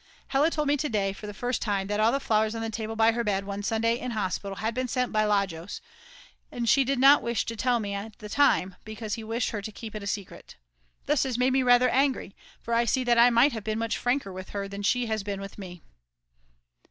Hella told me to day for the first time that all the flowers on the table by her bed one Sunday in hospital had been sent by Lajos; and she did not wish to tell me at that time because he wished her to keep it a secret. This has made me rather angry, for I see that I have been much franker with her than she has been with me.